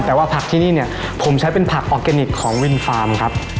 แต่ว่าผักที่นี่เนี่ยผมใช้เป็นผักออร์แกนิคของวินฟาร์มครับ